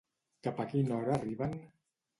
Cap a quina hora arriben?